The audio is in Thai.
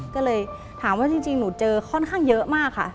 ก็เลยถามว่าจริงหนูเจอค่อนข้างเยอะมากค่ะ